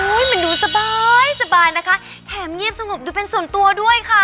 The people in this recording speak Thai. มันดูสบายสบายนะคะแถมเงียบสงบดูเป็นส่วนตัวด้วยค่ะ